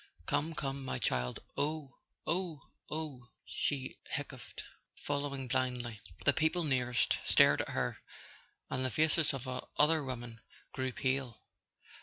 "Come, come, my child " "Oh—oh—oh," she hiccoughed, following blindly. The people nearest stared at her, and the faces of other women grew pale.